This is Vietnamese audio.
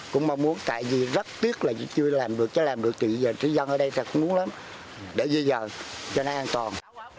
cũng mong muốn tại vì rất tiếc là chưa làm được chứ làm được thì giờ trí dân ở đây sẽ cũng muốn lắm để dư dờ cho nên an toàn